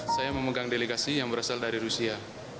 saya memegang delegasi yang berasal dari rusia